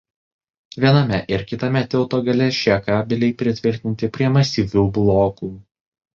Viename ir kitame tilto gale šie kabeliai pritvirtinti prie masyvių blokų.